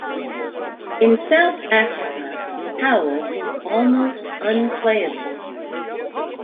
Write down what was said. In South Africa Howell was almost unplayable.